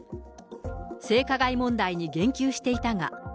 性加害問題に言及していたが。